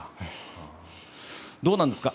どうなんですか？